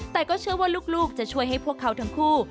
แต่ก็เชื่อว่าลูกจะช่วยให้พวกเขาทั้งคู่